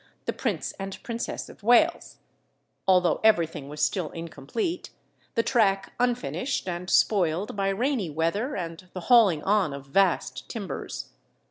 the Prince and Princess of Wales, although everything was still incomplete, the track unfinished, and spoiled by rainy weather and the hauling on of vast timbers.